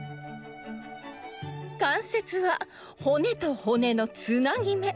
関節は骨と骨のつなぎめ。